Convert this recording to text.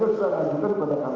mereka sudah diadukan kepada kami